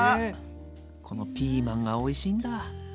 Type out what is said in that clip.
このピーマンがおいしいんだ。